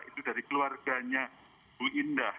itu dari keluarganya bu indah